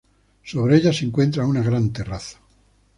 Sobre ellas se encuentra una gran terraza.